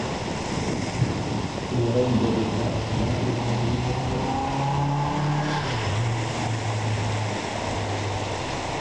Sous le règne d'Ashoka l'Inde est un pays prospère.